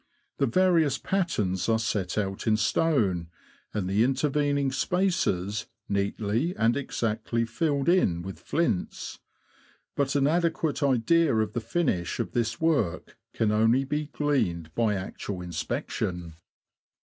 The various patterns are set out in stone, and the intervening spaces neatly and exactly filled in with flints ; but an adequate idea of the finish of this work can only be gleaned by actual inspection.